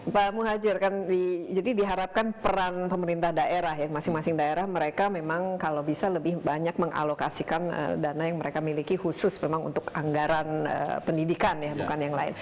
pak muhajir kan jadi diharapkan peran pemerintah daerah ya masing masing daerah mereka memang kalau bisa lebih banyak mengalokasikan dana yang mereka miliki khusus memang untuk anggaran pendidikan ya bukan yang lain